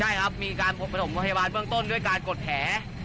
ใช่ครับมีการประถมพยาบาลเบื้องต้นด้วยการกดแผล